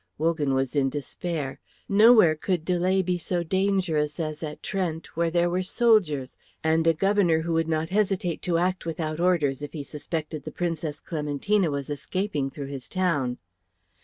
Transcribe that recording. Wogan was in despair; nowhere could delay be so dangerous as at Trent, where there were soldiers, and a Governor who would not hesitate to act without orders if he suspected the Princess Clementina was escaping through his town.